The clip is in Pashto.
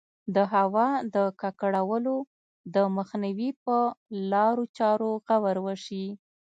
د هوا د ککړولو د مخنیوي په لارو چارو غور وشي.